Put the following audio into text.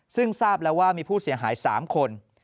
ซึ่งทราบแล้วว่ามีผู้เสียหาย๓คน